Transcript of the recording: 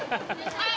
はい！